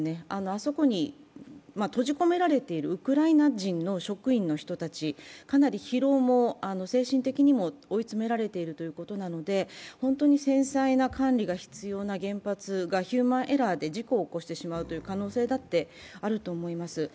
あそこに閉じ込められているウクライナ人の職員の人たち、かなり疲労も、精神的にも追い詰められているということなので、本当に繊細な管理が必要な原発がヒューマンエラーで事故を起こしてしまう可能性だってあると思います。